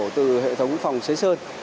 từ hệ thống phòng xế sơn